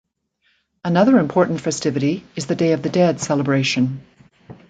Another important festivity is the Day of the Dead celebration.